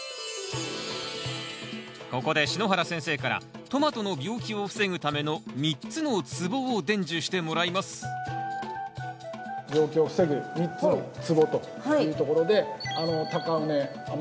ここで篠原先生からトマトの病気を防ぐための３つのつぼを伝授してもらいます病気を防ぐ３つのつぼというところで高畝雨よけと。